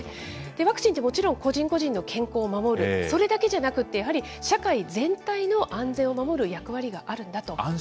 ワクチンって、もちろん個人個人の健康を守る、それだけじゃなくて、やはり社会全体の安全を守る役割があるんだと。